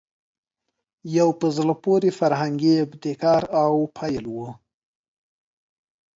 یو په زړه پورې فرهنګي ابتکار او پیل وو